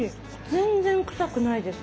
全然臭くないです。